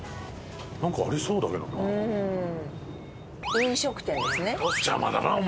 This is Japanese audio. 飲食店ですね？